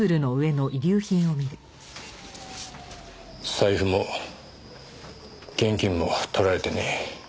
財布も現金も盗られてねえ。